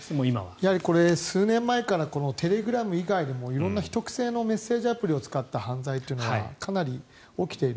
やはりこれ、数年前からテレグラム以外にも色んな秘匿性のメッセージアプリを使った犯罪というのがかなり起きている。